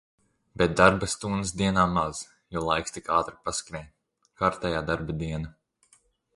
Bet darba stundas dienā maz, jo laiks tik ātri paskrien. Kārtējā darba diena.